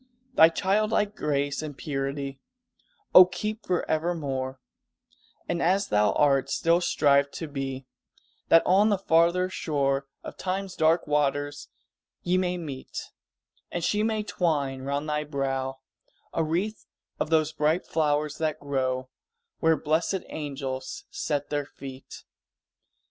Thy childlike grace and purity O keep forevermore, And as thou art, still strive to be, That on the farther shore Of Time's dark waters ye may meet, And she may twine around thy brow A wreath of those bright flowers that grow Where blessèd angels set their feet!